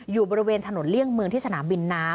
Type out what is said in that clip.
อยู่บริเวณถนนเลี่ยงเมืองที่สนามบินน้ำ